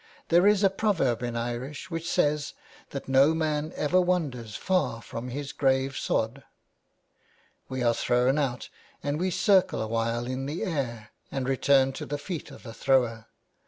There is a pro verb in Irish which says that no man ever wanders far from his grave sod. We are thrown out, and we circle a while in the air, and return to the feet of the thrower.